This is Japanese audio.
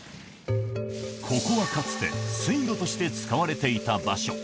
ここはかつて、水路として使われていた場所。